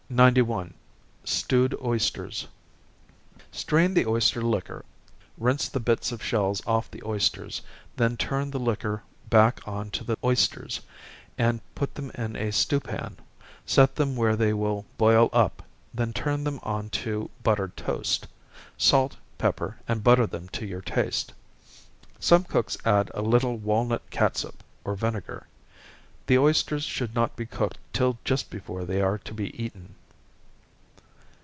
Stewed Oysters. Strain the oyster liquor, rinse the bits of shells off the oysters, then turn the liquor back on to the oysters, and put them in a stew pan set them where they will boil up, then turn them on to buttered toast salt, pepper, and butter them to your taste. Some cooks add a little walnut catsup, or vinegar. The oysters should not be cooked till just before they are to be eaten.